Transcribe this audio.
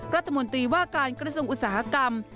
รัฐมนตรีว่าการกระทรวงอุตสาหกรรม